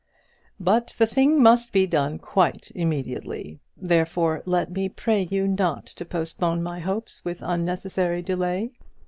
But the thing must be done quite immediately; therefore let me pray you not to postpone my hopes with unnecessary delay.